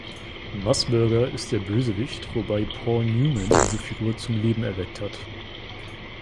Mussburger ist der Bösewicht, wobei Paul Newman diese Figur zum Leben erweckt hat.